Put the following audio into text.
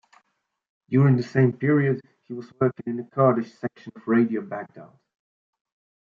During the same period, he was working in the Kurdish section of Radio Baghdad.